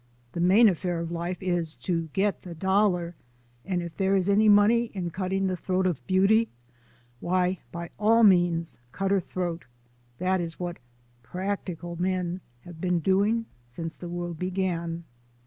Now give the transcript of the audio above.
The main affair of life is to get the dol lar, and if there is any money in cutting the throat of beauty, why, by all means, cut her throat. That is what "practical men" have been doing since the world began.